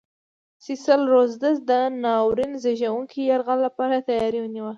سیسل رودز د ناورین زېږوونکي یرغل لپاره تیاری نیوه.